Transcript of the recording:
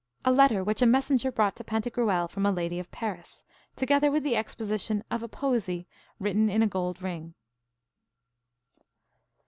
A letter which a messenger brought to Pantagruel from a lady of Paris, together with the exposition of a posy written in a gold ring.